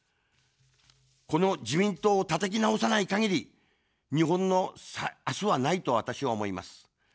この自民党をたたき直さない限り、日本のあすはないと私は思います。